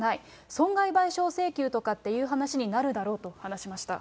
損害賠償請求とかっていう話になるだろうと話しました。